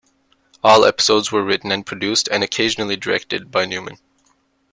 All episodes were written and produced, and occasionally directed, by Newman.